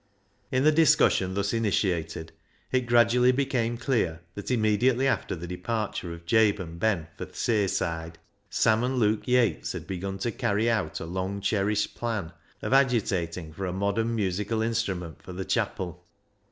In the discussion thus initiated, it gradually became clear that, immediately after the de parture of Jabe and Ben for " th' sayside," Sam and Luke Yates had begun to carry out a long cherished plan of agitating for a modern musical instrument for the chapel.